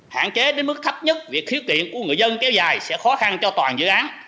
hạn chế đến mức thấp nhất việc khiếu kiện của người dân kéo dài sẽ khó khăn cho toàn dự án